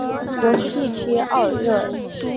博斯地区奥尔热尔。